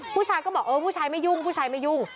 ผู้ชายก็บอกเออผู้ชายไม่ยุ่งผู้ชายไม่ยุ่ง